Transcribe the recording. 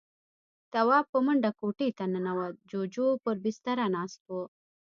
تواب په منډه کوټې ته ننوت. جُوجُو پر بستره ناست و.